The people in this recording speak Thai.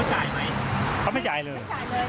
ไม่จ่ายเลยไม่จ่ายเลย